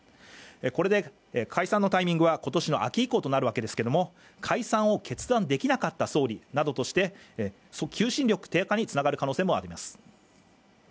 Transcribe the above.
これで解散のタイミングは今年の秋以降となるわけですけれど解散を決断できなかった総理などとして、求心力低下につながる可能性もあります。